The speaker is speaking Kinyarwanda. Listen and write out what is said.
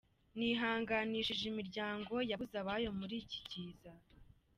"Nihanganishije imiryango yabuze abayo muri iki kiza.